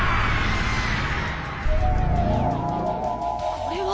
これは。